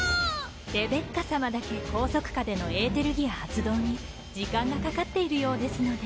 レベッカさまだけ拘束下でのエーテルギア発動に時間がかかっているようですので。